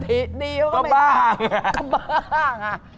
สถิตย์ดีก็บ้าง